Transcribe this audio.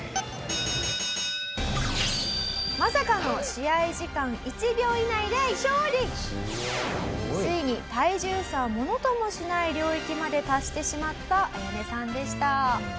まさかの試合時間ついに体重差をものともしない領域まで達してしまったアヤネさんでした。